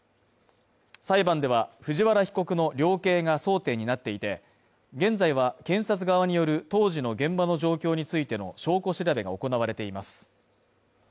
裁判では藤原被告の量刑が争点になっていて、現在は検察側による当時の現場の状況についての証拠調べが行われています。